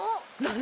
何！？